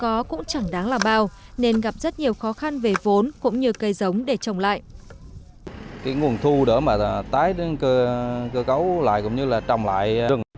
cây giống đó cũng chẳng đáng là bao nên gặp rất nhiều khó khăn về vốn cũng như cây giống để trồng lại